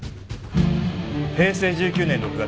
平成１９年６月。